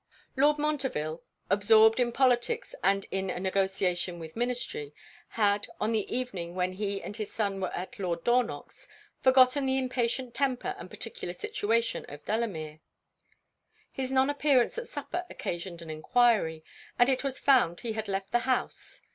Lord Montreville, absorbed in politics and in a negociation with ministry, had, on the evening when he and his son were at Lord Dornock's, forgotten the impatient temper and particular situation of Delamere. His non appearance at supper occasioned an enquiry, and it was found he had left the house.